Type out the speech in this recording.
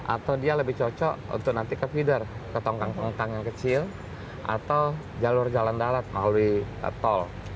atau dia lebih cocok untuk nanti ke feeder ke tongkang tongkang yang kecil atau jalur jalan darat melalui tol